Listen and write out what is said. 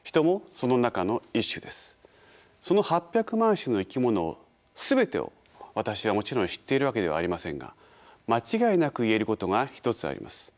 その８００万種の生き物全てを私はもちろん知っているわけではありませんが間違いなく言えることが一つあります。